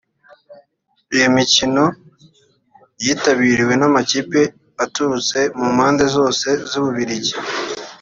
Iyo mikino yitabiriwe n’amakipe aturutse mu mpande zose z’u Bubiligi